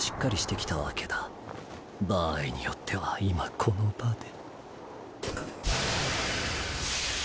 場合によっては今この場で。